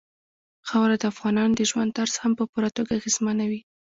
خاوره د افغانانو د ژوند طرز هم په پوره توګه اغېزمنوي.